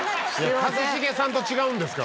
一茂さんと違うんですから。